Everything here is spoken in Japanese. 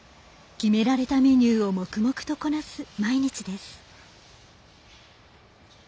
決められたメニューを黙々とこなす毎日です。